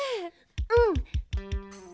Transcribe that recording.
うん。